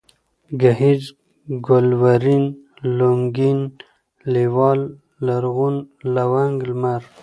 گهيځ ، گلورين ، لونگين ، لېوال ، لرغون ، لونگ ، لمر